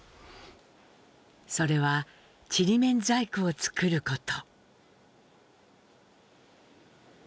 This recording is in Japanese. それはちりめん細工を作ること。